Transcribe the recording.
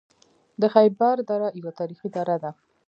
د خیبر دره یوه تاریخي لاره ده